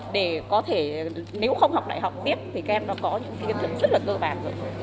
để có thể nếu không học đại học tiếp thì các em nó có những kiến thức rất là cơ bản rồi